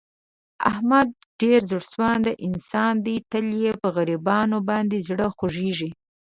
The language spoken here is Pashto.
احمد یو ډېر زړه سواندی انسان دی. تل یې په غریبانو باندې زړه خوګېږي.